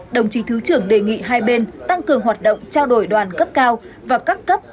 đồng chí thứ trưởng đề nghị hai bên tăng cường hoạt động trao đổi đoàn cấp cao và các cấp